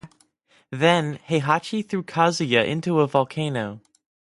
Then, Heihachi threw Kazuya into a volcano.